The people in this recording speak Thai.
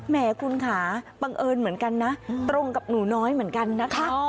แหมคุณค่ะบังเอิญเหมือนกันนะตรงกับหนูน้อยเหมือนกันนะคะ